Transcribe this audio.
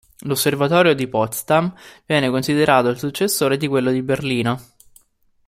L'osservatorio di Potsdam viene considerato il successore di quello di Berlino.